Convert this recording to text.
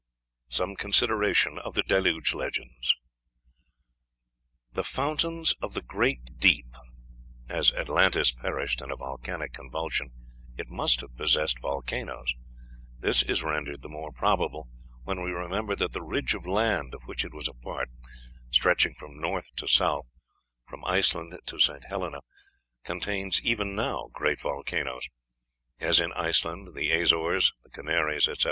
SOME CONSIDERATION OF THE DELUGE LEGENDS. The Fountains of the Great Deep. As Atlantis perished in a volcanic convulsion, it must have possessed volcanoes. This is rendered the more probable when we remember that the ridge of land of which it was a part, stretching from north to south, from Iceland to St. Helena, contains even now great volcanoes as in Iceland, the Azores, the Canaries, etc.